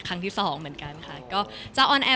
ครั้งที่สองเหมือนกันค่ะก็จะออนแอร์